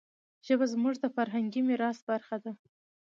ژبه زموږ د فرهنګي میراث برخه ده.